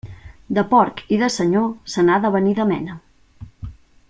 De porc i de senyor, se n'ha de venir de mena.